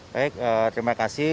baik terima kasih